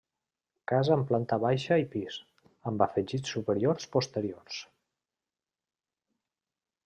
Casa amb planta baixa i pis, amb afegits superiors posteriors.